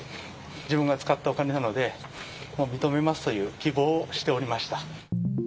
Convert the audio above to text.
自分が使ったお金なので、もう認めますという希望をしていました。